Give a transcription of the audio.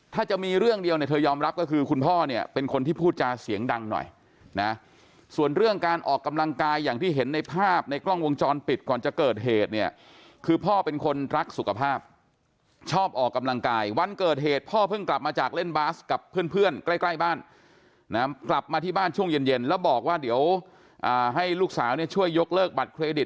ถ้าจะมีเรื่องเดียวเนี่ยเธอยอมรับก็คือคุณพ่อเนี่ยเป็นคนที่พูดจาเสียงดังหน่อยนะส่วนเรื่องการออกกำลังกายอย่างที่เห็นในภาพในกล้องวงจรปิดก่อนจะเกิดเหตุเนี่ยคือพ่อเป็นคนรักสุขภาพชอบออกกำลังกายวันเกิดเหตุพ่อเพิ่งกลับมาจากเล่นบาสกับเพื่อนใกล้ใกล้บ้านนะกลับมาที่บ้านช่วงเย็นเย็นแล้วบอกว่าเดี๋ยวให้ลูกสาวเนี่ยช่วยยกเลิกบัตรเครดิต